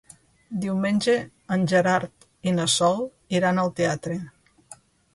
Diumenge en Gerard i na Sol iran al teatre.